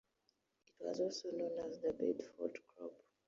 It was also known as the "Bedford Crop".